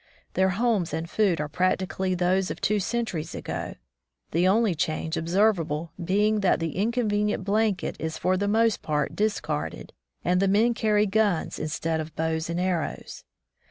Their homes and food are practically those of two centuries ago, the only change observable being that the inconvenient blanket is for the most part discarded and the men carry guns instead of bows and arrows.